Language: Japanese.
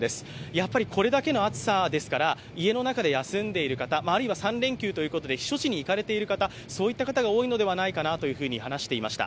やっぱりこれだけの暑さですから家の中で休んでいる方、あるいは３連休ということで避暑地に行かれた方が多いのではないかと話していました。